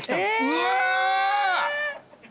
うわ！